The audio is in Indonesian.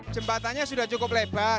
jembatannya sudah cukup lebar